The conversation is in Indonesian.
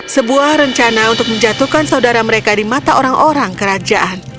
sebuah rencana untuk menjatuhkan saudara mereka di mata orang orang kerajaan